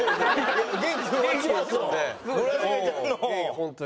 本当に。